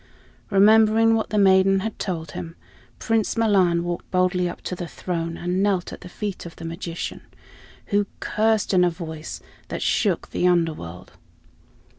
Remembering what the maiden had told him, Prince Milan walked boldly up to the throne and knelt at the feet of the magician, who cursed in a voice that shook the Underworld.